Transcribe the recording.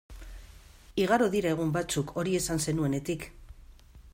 Igaro dira egun batzuk hori esan zenuenetik.